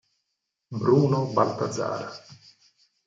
Bruno Baltazar